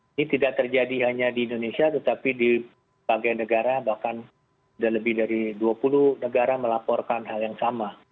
ini tidak terjadi hanya di indonesia tetapi di bagian negara bahkan lebih dari dua puluh negara melaporkan hal yang sama